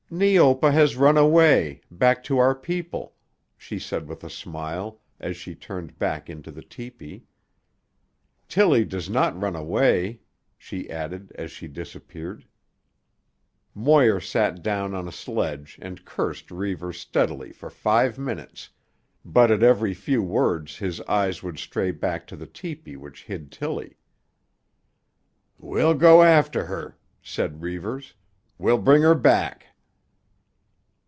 "Neopa has run away—back to our people," she said with a smile, as she turned back into the tepee. "Tillie does not run away," she added as she disappeared. Moir sat down on a sledge and cursed Reivers steadily for five minutes, but at every few words his eyes would stray back to the tepee which hid Tillie. "We'll go after her," said Reivers. "We'll bring her back."